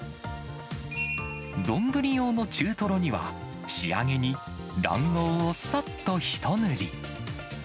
丼用の中トロには、仕上げに卵黄をさっと一塗り。